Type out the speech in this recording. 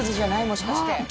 もしかして。